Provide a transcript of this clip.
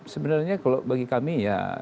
sebenarnya kalau bagi kami ya